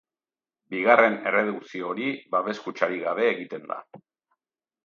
Bigarren erredukzio hori babes-kutxarik gabe egiten da.